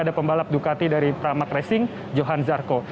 ada pembalap ducati dari peramak racing johan zarco